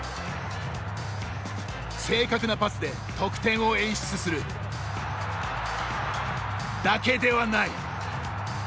正確なパスで得点を演出するだけではない。